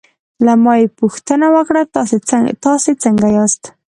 له ما یې پوښتنه وکړل: تاسې څنګه یاست؟